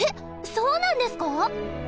そうなんですか？